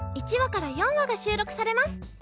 １話から４話が収録されます。